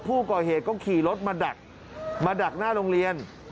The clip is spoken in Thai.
ผู้ก่อเหตุก็ขี่รถมาดักมาดักหน้าโรงเรียน